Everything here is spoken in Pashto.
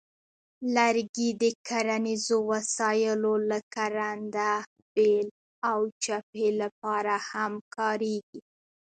لرګي د کرنیزو وسایلو لکه رنده، بیل، او چپې لپاره هم کارېږي.